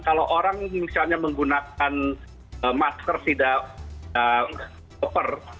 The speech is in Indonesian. kalau orang misalnya menggunakan masker tidak oper